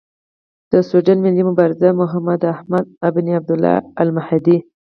د سوډان ملي مبارز محمداحمد ابن عبدالله المهدي.